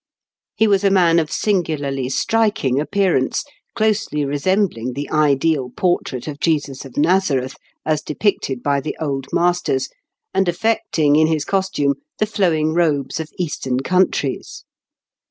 He was a man of singularly striking appearance, closely resembling the ideal portrait of Jesus of Nazareth, as depicted by the old masters, and affecting in his costume the flowing robes of Eastern countries.